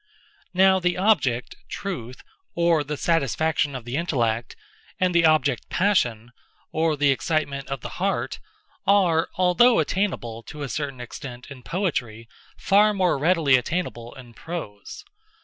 Now the object, Truth, or the satisfaction of the intellect, and the object Passion, or the excitement of the heart, are, although attainable, to a certain extent, in poetry, far more readily attainable in prose.